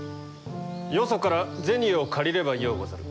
よそから銭を借りればようござる。